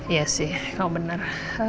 iya sih kalau benar